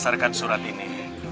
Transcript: suara ke justice